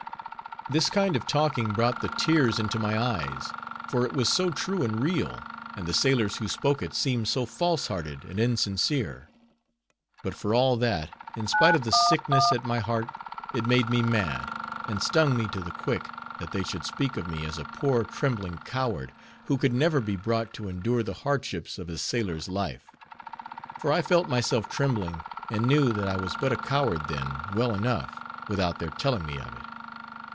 This kind of talking brought the tears into my eyes, for it was so true and real, and the sailors who spoke it seemed so false hearted and insincere; but for all that, in spite of the sickness at my heart, it made me mad, and stung me to the quick, that they should speak of me as a poor trembling coward, who could never be brought to endure the hardships of a sailor's life; for I felt myself trembling, and knew that I was but a coward then, well enough, without their telling me of it.